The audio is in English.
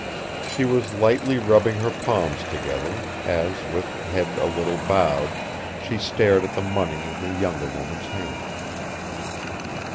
She was lightly rubbing her palms together, as, with head a little bowed, she stared at the money in the younger woman's hand.